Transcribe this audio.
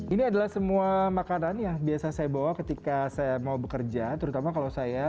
ini adalah semua makanan yang biasa saya bawa ketika saya mau bekerja terutama kalau saya